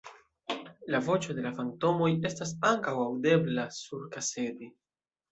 La voĉo de fantomoj estas ankaŭ aŭdebla surkasede.